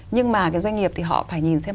nhưng mà cái doanh nghiệp thì họ phải nhìn xem